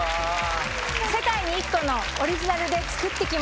世界に１個のオリジナルで作って来ました。